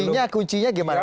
nah kuncinya gimana